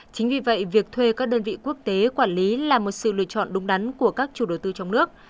chính vì vậy việc thuê các đơn vị quốc tế quản lý là một sự lựa chọn đúng đắn của các chủ đầu tư trong nước